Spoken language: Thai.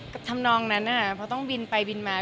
ทำนองนั้นเพราะต้องบินไปบินมา